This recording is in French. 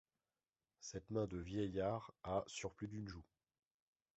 Cette main de vieillard a sur plus d'une joue